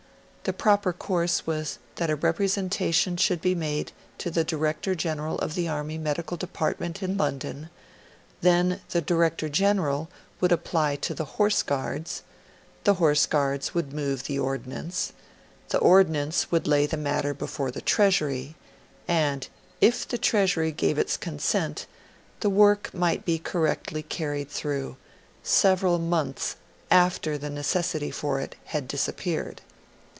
The proper course was that a representation should be made to the Director General of the Army Medical Department in London; then the Director General would apply to the Horse Guards, the Horse Guards would move the Ordnance, the Ordnance would lay the matter before the Treasury, and, if the Treasury gave its consent, the work might be correctly carried through, several months after the necessity for it had disappeared.